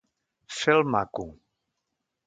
Fer el maco.